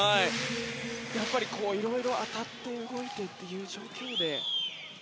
やっぱりいろいろ当たって動いてという状況で。